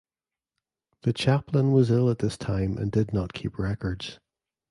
The Chaplain was ill at this time and did not keep records.